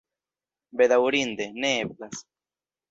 Bedaŭrinde, ne eblas.